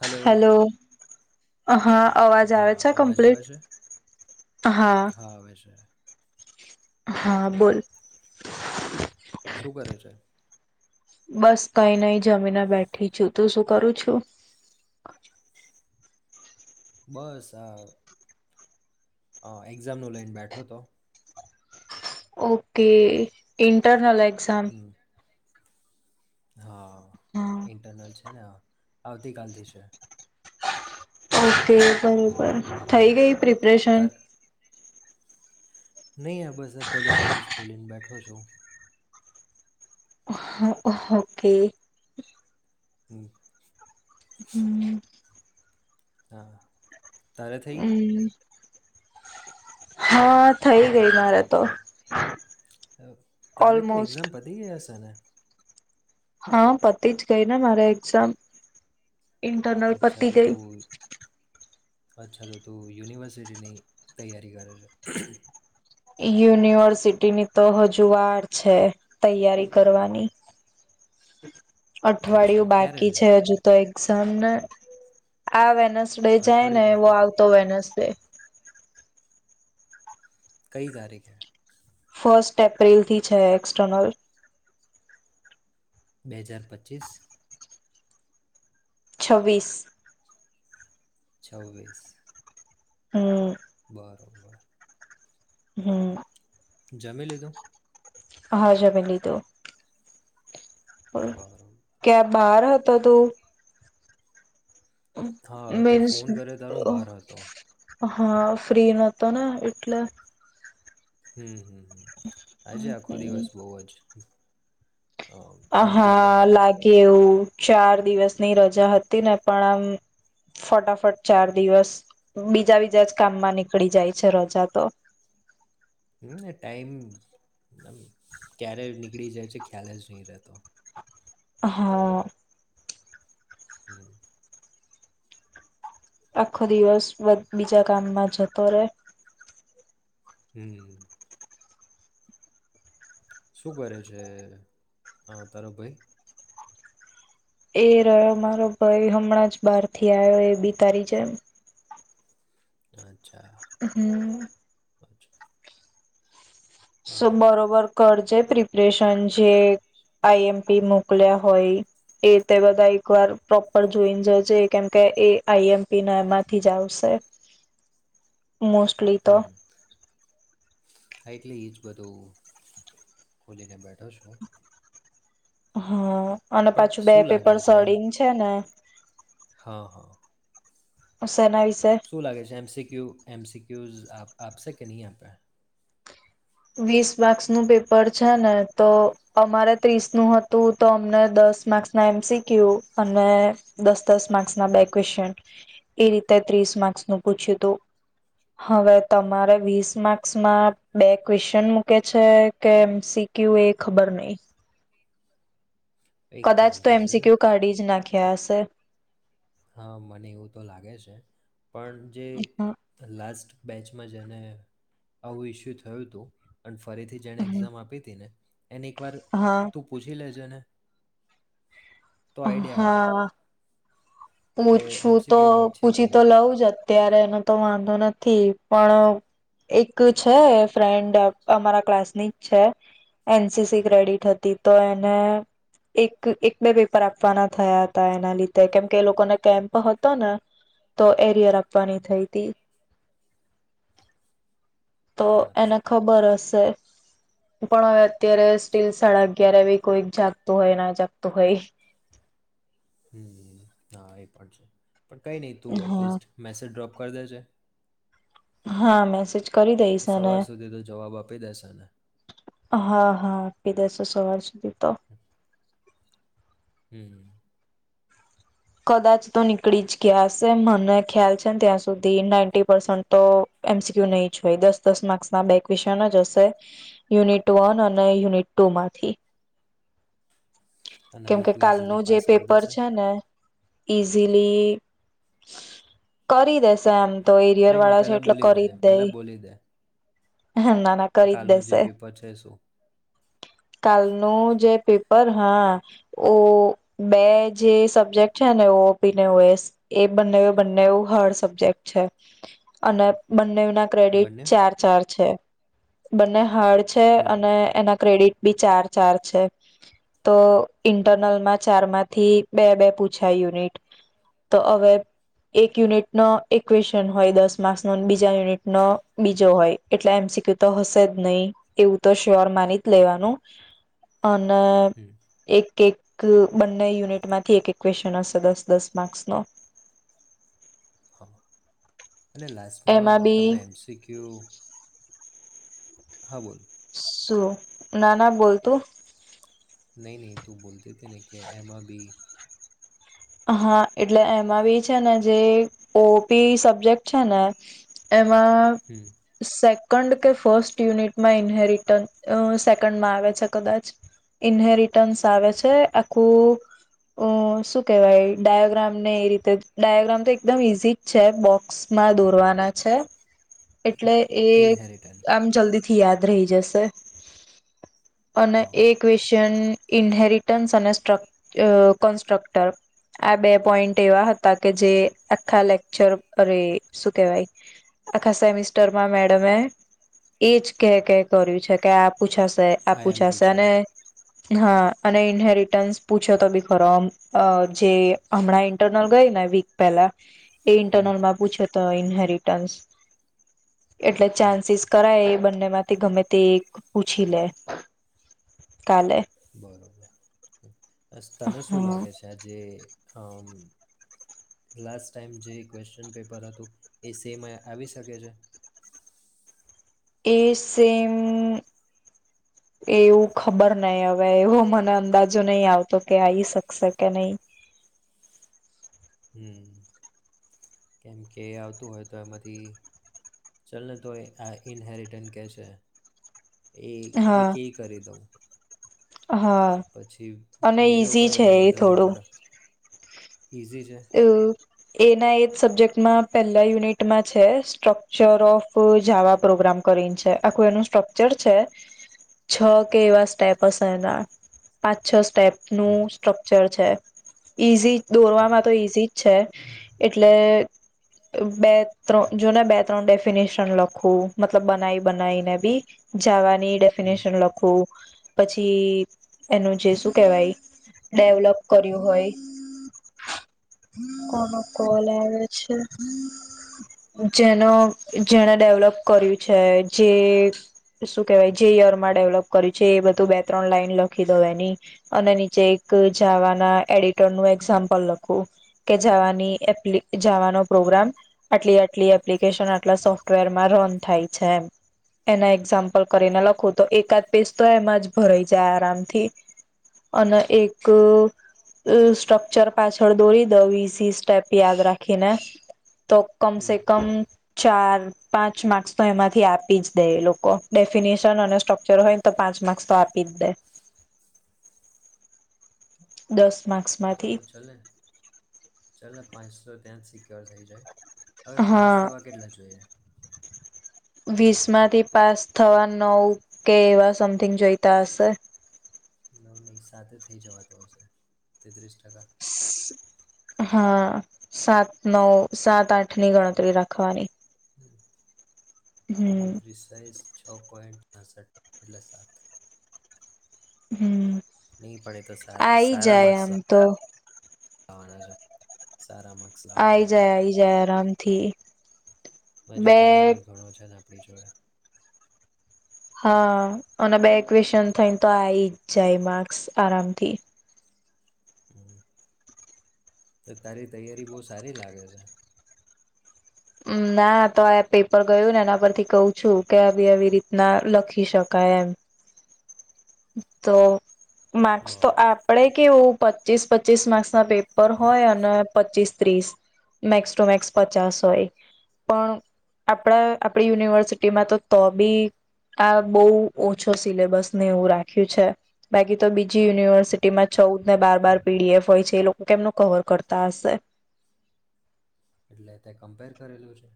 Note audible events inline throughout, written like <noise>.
Hello hello હા અવાજ આવે હા છે, અવાજ આવે કમ્પ્લીટ છે હા. આવે છે હા બોલ. શું કરે છે? બસ કઈ નહી જમીન બેઠી છું, તું શું કરું છું? બસ આ. હ એક્ઝામ નુ લાઈન બેઠો તો. Okay internal એક્ ઝામ. હમ હા. હા ઇન્ટરનલ છે ને. આવતી કાલથી છે. ઓકે બરોબર થઈ ગઈ પ્રિપ રેશન. નહી આ બસ પેલું પેજ જ ખોલીને બેઠો છુ. ઓકે. હમ્મ. હમ્મ. હા. તારે થઈ ગઈ હમ્મ. હા થઇ ગઈ મારે તો. તારે તો ઓલમોસ્ટ એક્ઝામ પતી ગઈ એશે છે ને. હા પતિ જ ગઈ ને મારે એક્ઝામ. ઇન્ટરનલ અચ્છા પતી તો ગઈ. તું અચ્છા તો તું યુનિવર્સિટીની તૈયારી કરે છે. યુનિવર્સિટીની તો હજુ વાર છે તૈયારી કરવાની. અચ્છા અઠવાડિયું ક્યારે બાકી છે હજુ તો એક્ઝામ ને. આ વેન્સ ડે જાય ને અઠવાડિયું એવો બાકી આવતો વેનેસ ડે. કઈ તારીખ. ફસ્ટ એપ્રિલ થી છે એક્સટર્નલ. બે હજાર પચીસ. છવ્વીસ છવ્વીસ હમ્મ બરોબર હમ્મ જમી લીધું હા જમેી લીધું હ બરોબર કે બહાર હતો તું હા તે મીન્સ ફોન કરિયો તારે હુ બહાર હતો હા ફ્રી નોતો ને એટલે હમ્મહમ્મ આજે આખો દિવસ બહ જ હ હેક્ટિક હા રહ્યો છે લાગે એવું ચાર દિવસની રજા હતી ને પણ આમ ફટાફટ ચાર દિવસ બીજા બીજા જ કામમાં નીકળી જાય છે રજા તો હમ્મ ને ટાઈમ ક્યારે અમ નીકળી જાય છે ખ્યાલ જ નહી રહેતો હા હમ્મ આખો દિવસ બીજા બ કામમાં જતો રહેે હમ્મ શું કરે છે હ તારો ભાઈ એ રહ્યો મારો ભાઈ હમણાં જ બહાર થી આવ્યો એ બિ તારી જેમ અચ્છા હમ્મ અચ્છા હા બરોબર કર જે પ્રિપરેશન જે આઈએમપી મોકલ્યા હોય એ તે બધા એકવાર પ્રોપર જોઈને જજે કેમ કે એ આઈએમપી ના એમાંથી જ આવશે મોસ્ટલી તો હમ હા એટલે એજ બધું ખોલીને બેઠો છું હા અને પણ પાછું બે શું લાગે પેપર છે એમ સડીને છે ને હા હા <unintelligible> શું લાગે છે એમસીક્યુ એમસી કે્યુઝ આપ આપસે કેની આપે વીસ માર્ક્સ નું પેપર છે ને તો અમારે ત્રીસ નું હતું તો અમને દસ માર્ક્સ ના એમસીક્યુ અને દસ દસ માર્ક્સ ના બે ક્વેશ્ચન એ રીતે ત્રીસ માર્ક્સનું પૂછ્યું હતું હવે તમારે વીસ માર્ક્સમાં બે ક્વેશચન મૂકે છે કે એમ સી ક્યુ એ ખબર નહી એક કદાચ કામ તો કરજે ને એમસીક્યુ કાઢી જ નાખે ગિયા હશે હા મને એવું તો લાગે છે પણ જે લાસ્ટ બેચમાં જઈને આવું ઇસ્યુ થયું હતું. ફરીથી જેણે હા એક્ઝામ આપી હતી ને, એને એકવાર હા તું પૂછી લેજે. પૂછજે ને. તો આઈડિયા આવે હા. કે પૂછું એમસીક્યુ હોય તો છે કે પૂછી તો નહીં લઉં જ અત્યારે એને તો વાંધો નથી પણ એક છે ફ્રેન્ડ અમારા ક્લાસમેંટ છે એનસીસી ક્રેડિટ હતી તો એને એક બે પેપ આપવાના થયા હતા એના લીધે કેમ કે એ લોકોને કેમ્પ હતો ને, તો એરિયર આપવાની થઈ તી. તો એને અચ્છા ખબર હશે. પણ હવે અત્યારે સ્ટીલ સાડા અગિયાર એ કોઈક જાગતું ના જાગતું હોય. હમ હા એ પણ છે. પણ કઈ નહી તું હા એટલીસ્ટ મેસે ડ્રોપ કરદે જે. હા મેસેજ કરી દઈશ અને, સુધી તો જવાબ આપી દેશે ને હા હા આપી દઇસ. સવાર સુધી તો હમ. કદાચ તો નીકળી જ ગ્યા હશે મને ખ્યાલ છે ત્યાં સુધી નાઈન્ટી પર્સન્ટ તો એમ સી ક્યુ નહી જ હોય દસ દસ માર્ક્સના બે ક્વેશચન જ હશે, યુનિટ વન અને યુનિટ ટુમાંથી. અને કેમ આ કે લોકો ઇઝીલી કાલનું જે પાસ કરી પેપર દેશે છે ને ઈઝીલી, કરી દેશે એમ. તો એરિયર નહીં નહીં વાળા છે પહેલાં એટલે બોલી દે કરી જ દેઈ. પહેલાં બોલી દે હં ના ના કરી જ કાલનું જે દેશે. પેપર છે શું કાલનું જે પેપર હા, ઓ બે જે સબ્જેક્ટ છે ને ઓ ઓ પી ને ઓ એસ, એ બંને બંનેઉ હાર્ડ સબ્જેક્ટ છે, અને બંને ના ક્રેડિટ બંને ચાર ચાર છે. બંને હાર્ડ છે હમ અને એના ક્રેડિટ બી ચાર ચાર છે. તો ઈન્ટરનલમાં ચાર માંથી બે બે પૂછાય યુનિટ, તો અવે એક યુનિટનો એક ક્વેશન હોય દસ માર્ક્સનો બીજા યુનિટનો બીજો હોય, એટલે એમ સી ક્યુ તો હશે જ નહીં, એવું તો શ્યોર માની જ લેવાનું. અને હમ એક એક બંને યુનિટમાંથી એક એક ક્વેશ્ચન હશે દસ દસ માર્ક્સનો. હ. અને એમાં લાસ્ટમાં તમને બી એમ સી ક્યુ હા બોલ. શું, ના ના બોલ તું. નહી નહી તો બોલતે થે ને કે એમાં ભી હા, એટલે એમાં બી છે ને જે ઓ પી સબ્જેક્ટ છે ને, એ એમાં હમ સે કંડ કે ફર્સ્ટ યુનિટમાં ઈન્હેરિટન, સેકન્ડમાં આવે છે કદાચ, ઈન્હેરિટન્સ આવે છે, આખું અ શું કહેવાય, ડાયાગ્રામ ને એ રીતે. ડાયાગ્રામ તો એકદમ ઈઝી જ છે, બોક્સ માં દોરવાના છે. એટલે એ ઇનહેરિટન આમ જલ્દી થી યાદ રહી જશે. અને હા એક વિષ જેન ઈન્હેરિટન્સ અને સ્ટ્રક કન્સ્ટ્રક્ટર. આ બે પોઈન્ટ એવા હતા કે જે, આખા લેક્ચર, અરે શું કેહેવાય આખા સેમિસ્ટરમાં મેડમે એજ કહે કહે કર્યું છે કે આ પૂછાશે, આ આઈએમપી પૂછાશે, છે અને હા, અને ઇન્હેરિટન્સ પૂછાતો બી ખરો, આમ જે હમણાં ઈન્ટરનલ ગઈ ને, વીક પેલા એ હમ ઇન્ટરનલમાં પૂછે. તો ઇન્હેરિટન્સ. એટલે ચાન્સીસ અચ્છા કરાય એ બંને એમાં ગમે તે એક પૂછી લે કાલે બરોબર તને શું હા લાગે છે આજે લાસ્ટ ટાઈમ જે ક્વેશ્ચન પેપર હતું એ સેમ આવી શકે છે. એ સેમ એવું ખબર નહીં હવે એવો મને અંદાજો નહી આવતો કે આવી શકશે કે નહી હમ કેમ કે આવતું હોય તો એમાંથી ચાલને તો આ ઇનહેેરિટન કહે છે એ એ કે હા કરે દું હા અને બીજો ઈઝી કયો છે એ વધારે થોડું ઇમ્પોર્ટન્ટ ઇઝી છે એના એ સબ્જેક્ટમાં પહેલા યુનિટમાં છે સ્ટ્રક્ચર ઓફ જાવા પ્રોગ્રામ કરીને છે આખું એનું સ્ટ્રકચર છે છ કે એવા સ્ટેપ હશે એના પાંચ છ સ્ટેપ હમ નું સ્ટ્રક્ચર છે ઇઝી હા દોરવાવામાં એટલે બે ત્ર જોને બે ત્રણ ડેફિનેશન લખવું મતલબ બનાઈ બનાવીને બી જાવાની ની હમ ડેફિનેશન લખું પછી એનું જે શું કેવાય ડેવલપ કર્યું હોય કોલ આવે છે જેનો જેને ડેવલપ કર્યું છે જે શું કેવાય જે યરમાં ડેવલપ કર્યું છે એ બધું બે ત્રણ લાઈન લખી દવા એની અને નીચે એક જાવાના એડિટરનું એઝામ્પલ લખ કે જાવાની જવાનો પ્રોગ્રામ આટલી આટલી એપ્લિકેશન આટલા સોફ્ટવેરમાં રન થાય છે એમ એના એઝામ્પલ કરીને લખું તો એકાદ પેઝ તો એમાં જ ભરાઈ જાય આરામથી અને એક સ્ટ્રકચર પાછ થડ દોરી દઉ ઇઝી સ્ટેપ યાદ રાખીને તો કમ હમ સે કમ ચાર પાંચ માર્ક્સ તો એમાંથી આપી જ દે એ લોકો ડેફિનેશન અને સ્ટ્રક્ચર હોય ને તો પાંચ માર્ક્સ તો આપી જ દે દસ માર્કસ <unintelligible> ચાલ પાંચસો ત્યાં જ સિક્યોર થઈ જાય હવે પાસ થવા હા કેટલા જોઈએ વીસ માંથી પાસ થવા નવ કે એવા સમથિંગ જોઈતા હશે સાથે થઈ જવાતો હશે તે દ્રષ્ટ હા સાત નવ સાત આઠ ની ગણતરી રાખવાની <inaudible> હમ <unintelligible> છ પોઈન્ટ થશે એટલે સાત હમ્મ ની પડે તો સારા માર્ક્સ આમ તો લાવ આવના છે સારા માર્ક્સ આઈ લાવવાના જાય આઈ જાય આરામથી અજુ બે ટાઈમ અ ઘણો છે આપડી જોડે હા અને બે ક્વેશન થઈને તો આ આવી જ જાય માર્ક્સ આરામથી હમ્મ તો તારી તૈયારી બહ સારી લાગે છે અમ ના તો આ પેપર ગયું ને એના પરથી કહુ છું કે આવી આવી રીતના લખી શકાય એમ તો માર્ક્સ તો બરાબર આપણેે કે વુ પચીસ પચીસ માર્ક્સ ના પેપર હોય અને પચીસ ત્રીસ મેક્સ ટુ મેક્સ પચાસ હોય પણ આપણા આપડી યુનિવર્સિટીમાં તો તો બી આ બહુ ઓછો સિલેબસ ને એવું રાખે રાક્યું છે બાકી તો બીજી યુનિવર્સિટીમાં ચૌદ ને બાર બાર પીડીએફ હોય છે એ લોકો કેમનું કવર કરતા હશે એટલે તે કમ્પેર કરેલું છે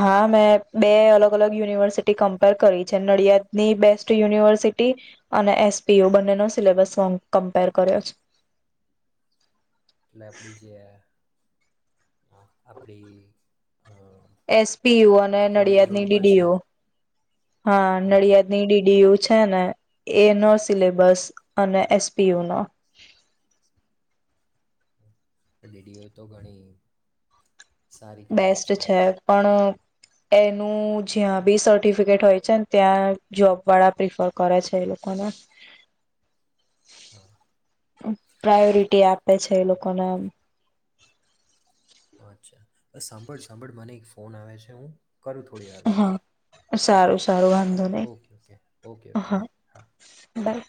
હા મેં બે અલગ અલગ યુનિવર્સિટી કમ્પેર કરી છે નડિયાદની બેસ્ટ યુનિવર્સિટી અને એસપીયુ બંને નો સિલેબસ કમ્પેર કર્યો છે હ આપડી એસપીયુ અને નડિયાદ રોડ ની પર છે ડીડીયુ હા નડિયાદ ની ડીડીયુ છે છે ને એ નો સિલેબસ અને એસપીયુ નો પણ ડેડીિઓ તો ઘણી સારી કોલેજ બેસ્ટ છે પણ એનું જ્યાં બી સર્ટિફિકેટ હોય છે ને ત્યાં જોબ વાળા પ્રિફર કરે છે એ લોકોને હા પ્રાયોરિટી આપે છે એ લોકોને અચ્છા સાંભળ સાંભળ મને એક ફોન આવે છે હું કરું થોડી હાર હા સારું સારું હા વાંધો નહી okay okay okay okay bye હા બાય